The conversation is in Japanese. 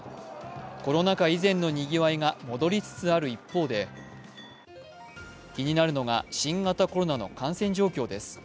コロナ禍以前のにぎわいが戻りつつある一方で、気になるのが新型コロナの感染状況です。